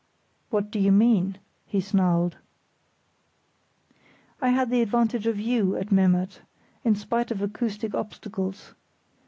"What do you mean?" he snarled. "I had the advantage of you at Memmert, in spite of acoustic obstacles.